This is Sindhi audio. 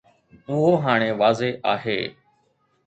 اهو هاڻي واضح آهي